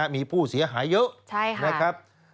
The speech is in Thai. มีผู้เสียหายเยอะ